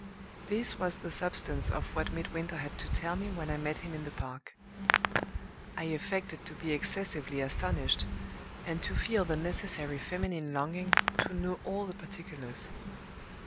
This was the substance of what Midwinter had to tell me when I met him in the Park. I affected to be excessively astonished, and to feel the necessary feminine longing to know all the particulars.